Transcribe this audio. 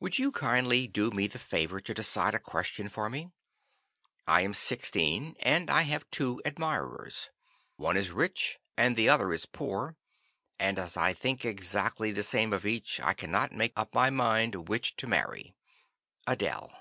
"Will you kindly do me the favor to decide a question for me? I am sixteen, and I have two admirers. One is rich and the other is poor, and as I think exactly the same of each, I cannot make up my mind which to marry. "Adele."